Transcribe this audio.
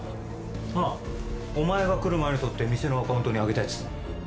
あぁ、お前が来る前に撮って店のアカウントにあげたやつ。